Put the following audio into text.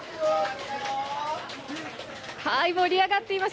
はい、盛り上がっています。